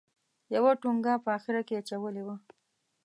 یوه ټونګه په اخره کې اچولې وه.